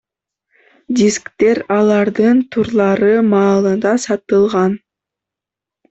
Дисктер алардын турлары маалында сатылган.